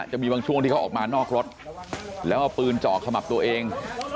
จะมีบางช่วงที่เขาออกมานอกรถแล้วเอาปืนเจาะขมับตัวเอง